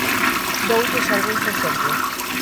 Doulles algúns exemplos.